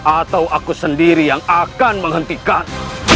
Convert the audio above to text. atau aku sendiri yang akan menghentikan